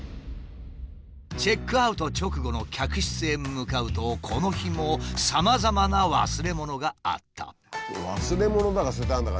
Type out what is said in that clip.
チェックアウト直後の客室へ向かうとこの日もさまざまな忘れ物があった。